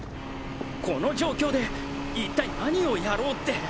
この状況で一体何をやろうって。